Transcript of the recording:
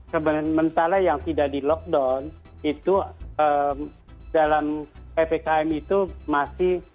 sementara yang tidak di lockdown itu dalam ppkm itu masih